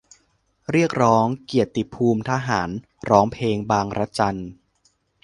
เรียกร้องเกียรติภูมิทหาร ร้องเพลงบางระจัน